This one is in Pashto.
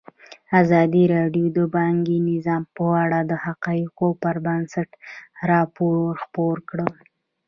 ازادي راډیو د بانکي نظام په اړه د حقایقو پر بنسټ راپور خپور کړی.